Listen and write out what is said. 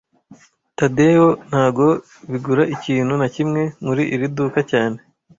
Tadeyo ntago bigura ikintu na kimwe muri iri duka cyane